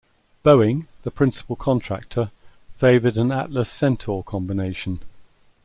Boeing, the principal contractor, favored an Atlas-Centaur combination.